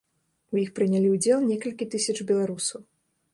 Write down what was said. У іх прынялі ўдзел некалькі тысяч беларусаў.